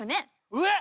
えっ！